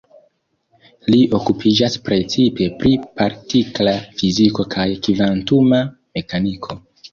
Li okupiĝas precipe pri partikla fiziko kaj kvantuma mekaniko.